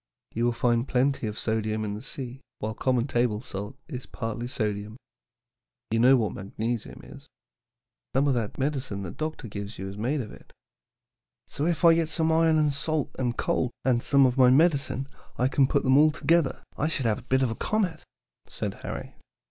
You will find plenty of sodium in the sea, while common table salt is partly sodium. You know what magnesium is. Some of that medicine doctor gives you is made of it." "So if I get some iron and salt and coal and some of my medicine, and put them all together, I should have a bit of a comet," said Harry.